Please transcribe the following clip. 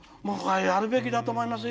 やるべきだと思いますよ。